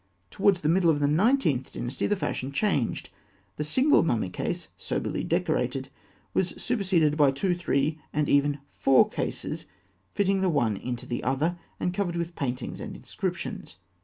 Towards the middle of the Nineteenth Dynasty, the fashion changed. The single mummy case, soberly decorated, was superseded by two, three, and even four cases, fitting the one into the other, and covered with paintings and inscriptions.